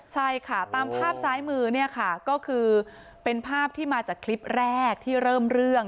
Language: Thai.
ใช่ค่ะตามภาพซ้ายมือเนี่ยค่ะก็คือเป็นภาพที่มาจากคลิปแรกที่เริ่มเรื่อง